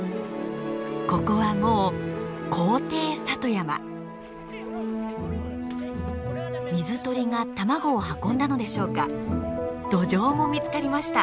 ここはもう水鳥が卵を運んだのでしょうかドジョウも見つかりました。